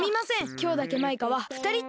きょうだけマイカはふたりってことで。